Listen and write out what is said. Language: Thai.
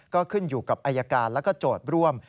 เข้าขึ้นอยู่กับไอยการและโจทย์ร่วม